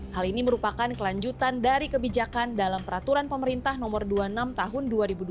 hal ini merupakan kelanjutan dari kebijakan dalam peraturan pemerintah nomor dua puluh enam tahun dua ribu dua puluh